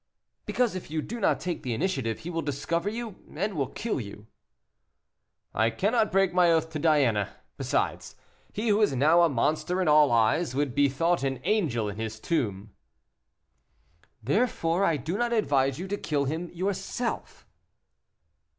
"Because if you do not take the initiative, he will discover you, and will kill you." "I cannot break my oath to Diana. Besides, he who is now a monster in all eyes, would be thought an angel in his tomb." "Therefore I do not advise you to kill him yourself."